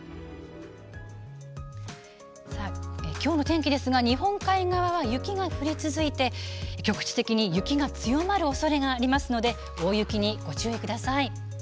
きょうの天気ですが日本海側は雪が降り続いて局地的に雪が強まるおそれがありますので、大雪にご注意ください。